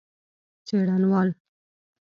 څېړنوال